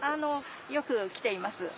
よくきています。